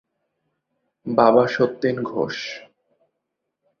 বাবা সত্যেন ঘোষ।